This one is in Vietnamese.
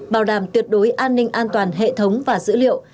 bảo đảm tuyệt đối an ninh an toàn hệ thống và dữ liệu